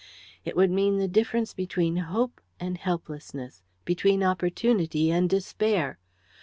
It would mean the difference between hope and helplessness, between opportunity and despair.